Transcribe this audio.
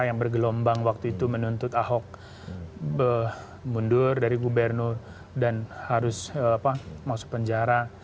yang bergelombang waktu itu menuntut ahok mundur dari gubernur dan harus masuk penjara